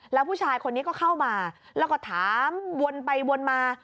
แล้วผู้ชายคนนี้ก็เข้ามาแล้วก็ถามวนไปวนมา